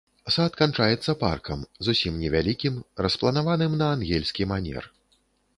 Сад канчаецца паркам, зусім невялікім, распланаваным на ангельскі манер.